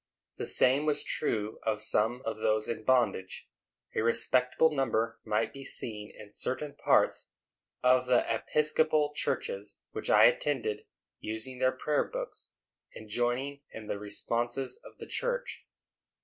The same was true of some of those in bondage. A respectable number might be seen in certain parts of the Episcopal churches which I attended using their prayer books, and joining in the responses of the church.